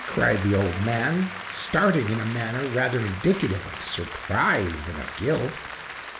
cried the old man, starting in a manner rather indicative of surprise than of guilt.